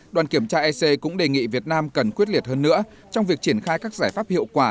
đoàn kiểm tra ec cũng đề nghị việt nam cần quyết liệt hơn nữa trong việc triển khai các giải pháp hiệu quả